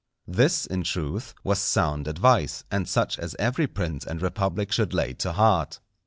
This, in truth, was sound advice and such as every prince and republic should lay to heart.